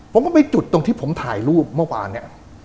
ผมก็ไปจุดตรงที่ผมถ่ายรูปเมื่อวานเนี่ย